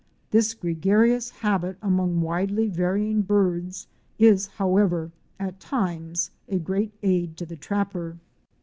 This gregarious habit among widely varying birds is, however, at times, a great aid to the trapper.